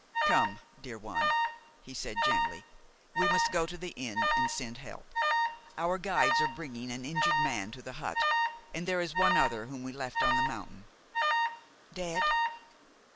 "Come, dear one," he said gently. "We must go to the inn and send help. Our guides are bringing an injured man to the hut, and there is one other whom we left on the mountain." "Dead?"